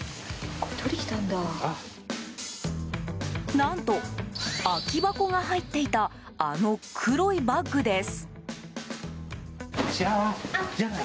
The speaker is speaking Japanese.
何と、空き箱が入っていたあの黒いバッグです。